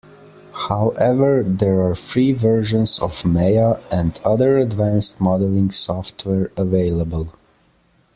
However, there are free versions of Maya and other advanced modeling software available.